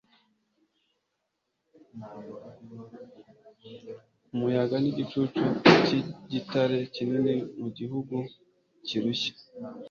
umuyaga n'igicucu cy'igitare kinini mu gihugu kirushya".